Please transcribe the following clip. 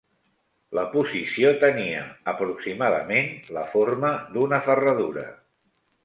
La posició tenia, aproximadament, la forma d'una ferradura